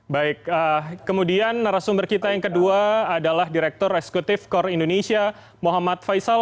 baik kemudian narasumber kita yang kedua adalah direktur eksekutif kor indonesia muhammad faisal